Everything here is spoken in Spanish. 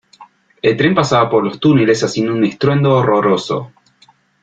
El tren pasaba por los túneles haciendo un estruendo horroroso.